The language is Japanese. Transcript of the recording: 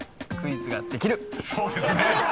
［そうですね！